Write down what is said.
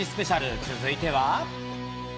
続いては。